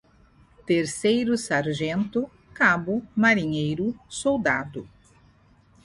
Terceiro-Sargento, Cabo, Marinheiro, Soldado